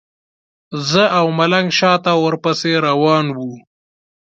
زه او ملنګ شاته ورپسې روان وو.